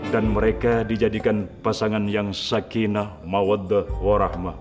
dan mereka dijadikan pasangan yang sakina mawadda warahma